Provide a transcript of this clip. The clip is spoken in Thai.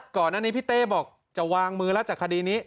ก่อนอันนี้พี่เต้บอกจะวางมือแล้วจากคดีนี้